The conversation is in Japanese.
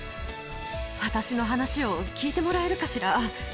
私の話を聞いてもらえるかしら？